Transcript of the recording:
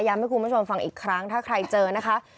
ให้คุณผู้ชมฟังอีกครั้งถ้าใครเจอนะคะ